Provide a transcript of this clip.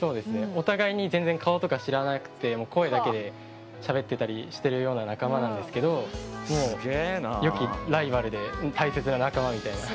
お互いに全然顔とか知らなくてもう声だけでしゃべってたりしてるような仲間なんですけどもうよきライバルで大切な仲間みたいな。